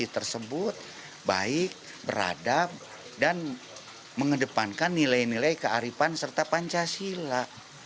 tersebut baik beradab dan mengedepankan nilai nilai kearifan serta pancasila